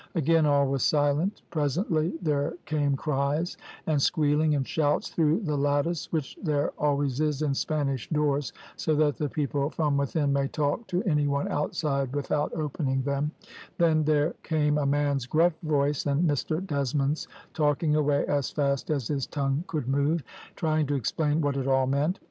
Again all was silent. Presently there came cries, and squealing, and shouts, through the lattice which there always is in Spanish doors, so that the people from within may talk to any one outside without opening them; then there came a man's gruff voice, and Mr Desmond's, talking away as fast as his tongue could move, trying to explain what it all meant.